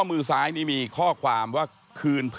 นั่นแหละสิเขายิบยกขึ้นมาไม่รู้ว่าจะแปลความหมายไว้ถึงใคร